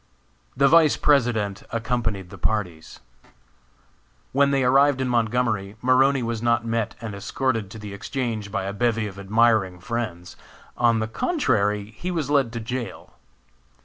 The Vice President accompanied the parties. When they arrived in Montgomery, Maroney was not met and escorted to the Exchange by a bevy of admiring friends. On the contrary, he was led to jail.